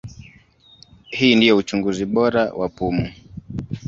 Hii ndio uchunguzi bora wa pumu.